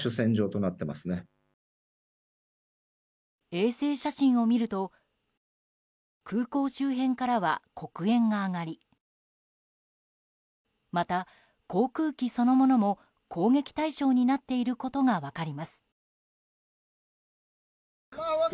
衛星写真を見ると空港周辺からは黒煙が上がりまた航空機そのものも攻撃対象になっていることが分かります。